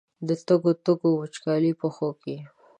د تږو، تږو، وچکالیو پښو کې